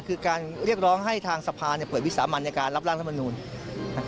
คือการเรียกร้องให้ทางสภาเปิดวิสามันในการรับร่างรัฐมนูล